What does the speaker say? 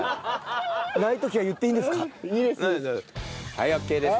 はいオッケーです。